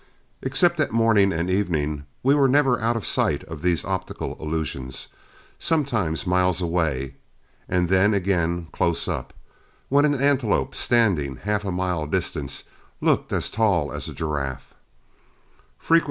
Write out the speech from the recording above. Except at morning and evening, we were never out of sight of these optical illusions, sometimes miles away, and then again close up, when an antelope standing half a mile distant looked as tall as a giraffe.